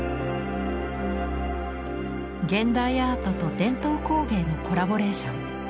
現代アートと伝統工芸のコラボレーション。